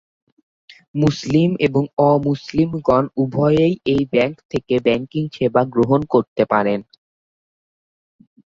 মুসলিম এবং অ-মুসলিমগণ উভয়েই এই ব্যাংক থেকে ব্যাংকিং সেবা গ্রহণ করতে পারেন।